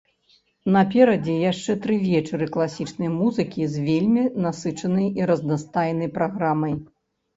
Наперадзе яшчэ тры вечары класічнай музыкі з вельмі насычанай і разнастайнай праграмай.